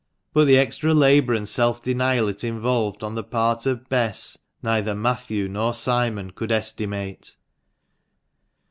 But the extra labour and self denial it involved on the part of Bess, neither Matthew nor Simon could estimate.